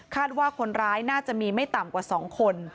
ว่าคนร้ายน่าจะมีไม่ต่ำกว่า๒คน